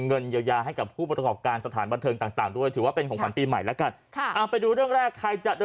เอาจากรัฐบาลไปก่อนอยากรู้จัก